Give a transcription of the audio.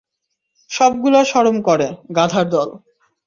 সবগুলার শরম করে, গাধার দল।